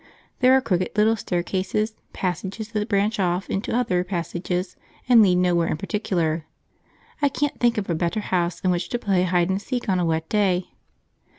There are crooked little stair cases, passages that branch off into other passages and lead nowhere in particular; I can't think of a better house in which to play hide and seek on a wet day.